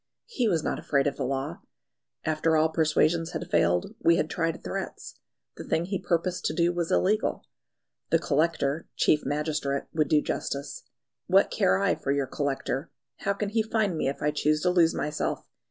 He was not afraid of the law. After all persuasions had failed, we had tried threats: the thing he purposed to do was illegal. The Collector (chief magistrate) would do justice. "What care I for your Collector? How can he find me if I choose to lose myself?